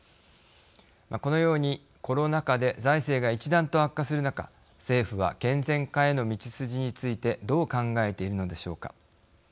このように、コロナ禍で財政が一段と悪化する中政府は健全化への道筋についてどう考えているのでしょうか。